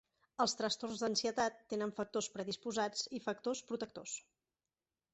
Els trastorns d'ansietat tenen factors predisposats i factors protectors.